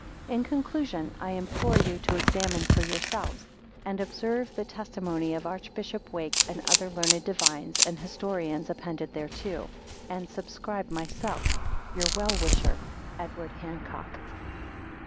In conclusion, I implore you to examine for yourselves, and observe the testimony of Archbishop Wake and other learned divines and historians appended thereto; and subscribe myself, Your well wisher, EDWARD HANCOCK.